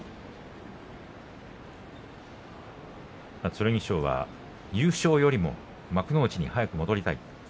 剣翔は、優勝よりも幕内に早く戻りたい